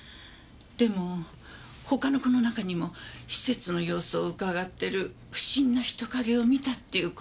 でも他の子の中にも施設の様子を伺ってる不審な人影を見たっていう子もいて。